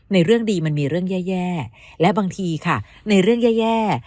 เรื่องดีมันมีเรื่องแย่และบางทีค่ะในเรื่องแย่